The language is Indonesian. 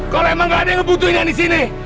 kalau emang gak ada yang butuhin lo disini